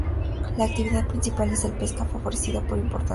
La actividad principal es la pesca, favorecida por su importante puerto.